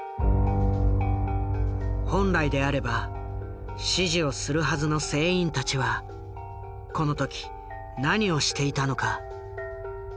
本来であれば指示をするはずの船員たちはこの時何をしていたのか。